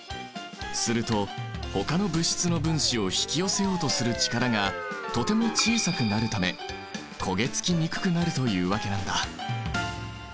するとほかの物質の分子を引き寄せようとする力がとても小さくなるため焦げ付きにくくなるというわけなんだ。